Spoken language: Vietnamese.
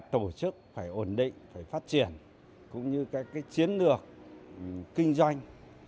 tổ chức phải ổn định phải phát triển cũng như các chiến lược kinh doanh